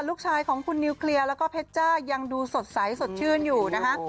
ลูกชายของคุณนิวเคลียร์แล้วก็เพชจ้ายังดูสดใสสดชื่นอยู่นะคะ